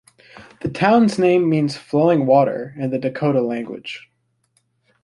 The town's name means "flowing water" in the Dakota language.